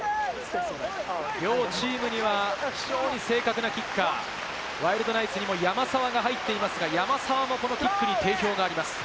両チームには非常に正確なキッカー、ワイルドナイツにも山沢が入っていますが、山沢もこのキックに定評があります。